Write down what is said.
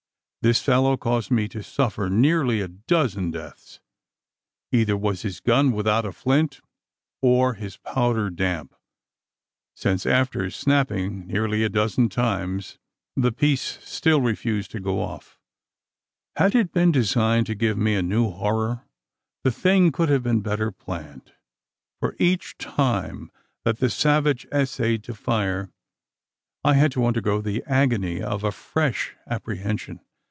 This fellow caused me to suffer nearly a dozen deaths. Either was his gun without a flint, or his powder damp: since after snapping nearly a dozen times, the piece still refused to go off. Had it been designed to give me a new horror, the thing could not have been better planned: for each time that the savage essayed to fire, I had to undergo the agony of a fresh apprehension.